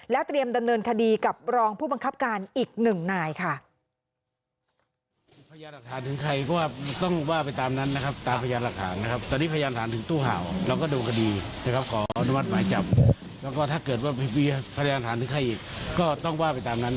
และเตรียมดำเนินคดีกับรองผู้บังคับการอีก๑นาย